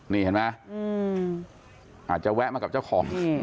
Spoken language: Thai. นี่เห็นไหมอาจจะแวะมากับเจ้าของ